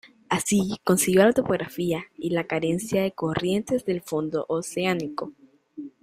Así consiguió la topografía y la carencia de corrientes del fondo oceánico.